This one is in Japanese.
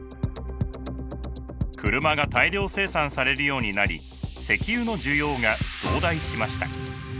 車が大量生産されるようになり石油の需要が増大しました。